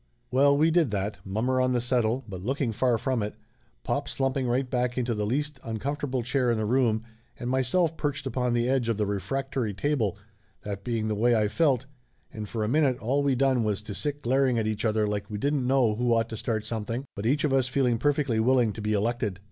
Well, we did that, mommer on the settle, but looking far from it, pop slumping right back into the least un comfortable chair in the room, and myself perched upon the edge of the refractory table, that being the way I felt, and for a minute all we done was to sit glaring at each other like we didn't know who ought to start something, but each of us feeling perfectly willing to be elected.